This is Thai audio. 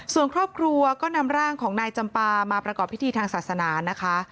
ส่วนครอบครัวก็นำร่างของนายจำปามาประกอบพิธีทางศาสนานะคะ